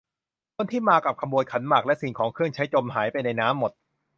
คนที่มากับขบวนขันหมาก และสิ่งของเครื่องใช้จมหายไปในน้ำหมด